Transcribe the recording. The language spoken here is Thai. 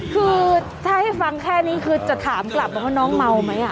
คือถ้าให้ฟังแค่นี้คือจะถามกลับมาว่าน้องเมาไหม